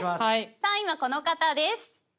３位はこの方です。